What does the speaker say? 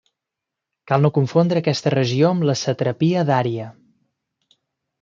Cal no confondre aquesta regió amb la satrapia d'Ària.